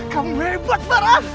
kamu hebat farah